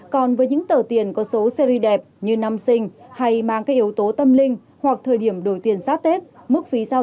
còn với những tờ tiền có số seri đẹp như năm sinh hay mang các yếu tố tâm linh hoặc thời điểm đổi tiền sát tết